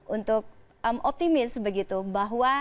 untuk optimis begitu bahwa